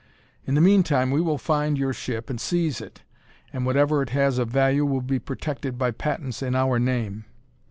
In the meantime we will find your ship and seize it, and whatever it has of value will be protected by patents in our name."